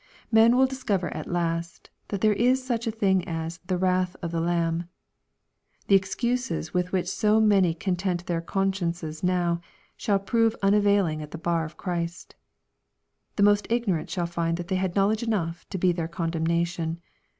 Men will discover at last, that there is such a thing as " the wrath of the Lamb." The excuses with which so many content their consciences now, shall prove unavailing at the bar of Christ. The most ignorant shall find that they had knowledge enough to be their condemnation.